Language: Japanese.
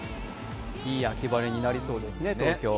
いい秋晴れになりそうですね、東京。